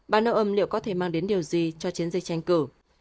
ba noem liệu có thể mang đến điều gì cho chiến dịch tranh cử